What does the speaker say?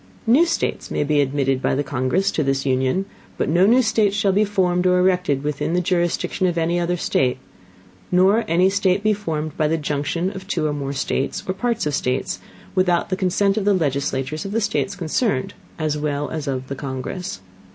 New States may be admitted by the Congress into this Union; but no new States shall be formed or erected within the Jurisdiction of any other State; nor any State be formed by the Junction of two or more States, or Parts of States, without the Consent of the Legislatures of the States concerned as well as of the Congress.